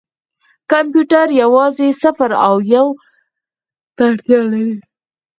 کمپیوټر یوازې صفر او یو ته اړتیا لري.